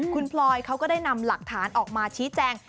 คุณพลอยเขาก็ได้นำหลักฐานออกมาชี้แจง